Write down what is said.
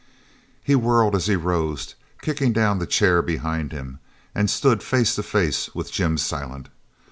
He whirled as he rose, kicking down the chair behind him, and stood face to face with Jim Silent.